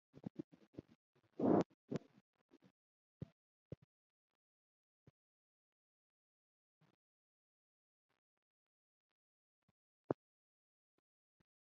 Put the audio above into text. انسټاګرام د سوداګرو لپاره د بازار موندنې ښه پلیټفارم دی.